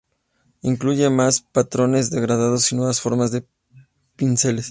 Incluye más patrones, degradados y nuevas formas de pinceles.